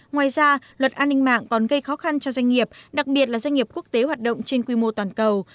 ngoài ra luật an ninh mạng còn gây khó khăn cho doanh nghiệp đặc biệt là doanh nghiệp quốc tế hoạt động trên quy mô toàn cầu